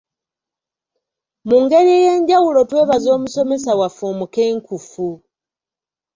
Mu ngeri ey'enjawulo twebaza omusomesa waffe omukenkufu.